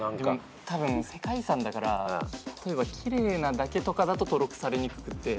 たぶん世界遺産だから例えば奇麗なだけとかだと登録されにくくて。